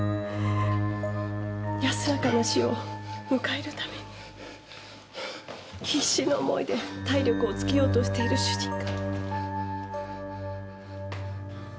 安らかな死を迎えるために必死の思いで体力をつけようとしている主人が。